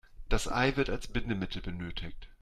Das Ei wird als Bindemittel benötigt.